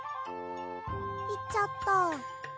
いっちゃった。